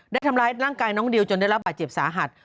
ได้ทำร้ายร่างกายน้องดิวจนได้รับบาดเจ็บสาหัส